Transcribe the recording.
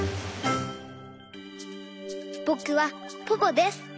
ぼくはポポです。